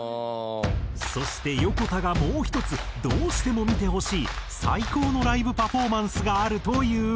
そしてヨコタがもう１つどうしても見てほしい最高のライブパフォーマンスがあるという。